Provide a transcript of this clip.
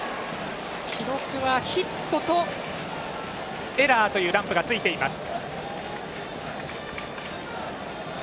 記録はヒットとエラーというランプがついています。